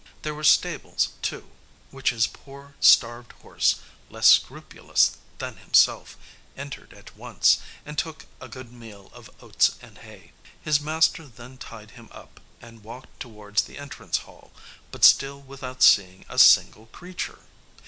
There were stables too, which his poor, starved horse, less scrupulous than himself, entered at once, and took a good meal of oats and hay. His master then tied him up, and walked towards the entrance hall, but still without seeing a single creature.